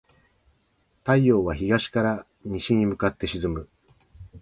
太陽は東から西に向かって沈む。